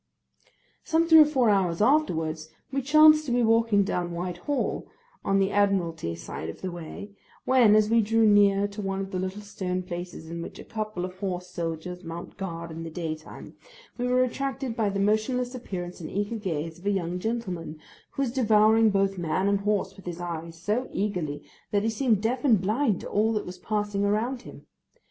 Some three or four hours afterwards, we chanced to be walking down Whitehall, on the Admiralty side of the way, when, as we drew near to one of the little stone places in which a couple of horse soldiers mount guard in the daytime, we were attracted by the motionless appearance and eager gaze of a young gentleman, who was devouring both man and horse with his eyes, so eagerly, that he seemed deaf and blind to all that was passing around him.